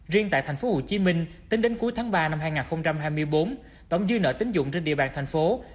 riêng tại tp hcm tính đến cuối tháng ba năm hai nghìn hai mươi bốn tổng dư nợ tính dụng trên địa bàn thành phố